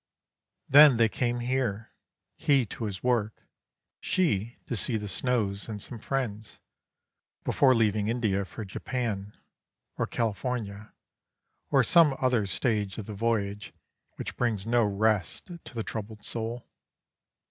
"Then they came here, he to his work, she to see the snows and some friends, before leaving India for Japan, or California, or some other stage of the voyage which brings no rest to the troubled soul.